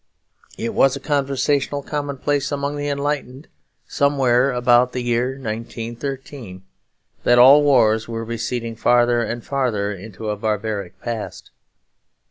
It was a conversational commonplace among the enlightened, somewhere about the year 1913, that all wars were receding farther and farther into a barbaric past.